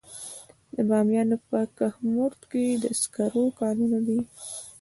د بامیان په کهمرد کې د سکرو کانونه دي.